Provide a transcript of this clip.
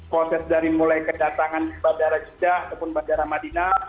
proses dari mulai kedatangan di bandara jidah ke bandara madinah